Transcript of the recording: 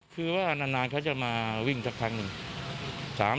คือว่านานเขาจะมาวิ่งสักครั้งหนึ่ง